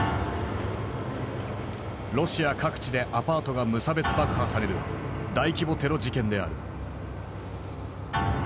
ロシア各地でアパートが無差別爆破される大規模テロ事件である。